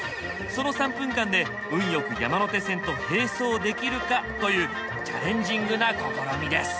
その３分間で運良く山手線と並走できるかというチャレンジングな試みです！